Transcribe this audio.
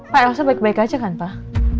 pak elsa baik baik aja kan pak